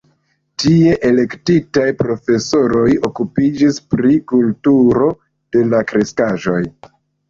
Tie elektitaj profesoroj okupiĝis pri kulturo de la kreskaĵoj.